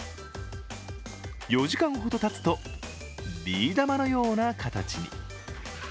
４時間ほどたつとビー玉のような形に。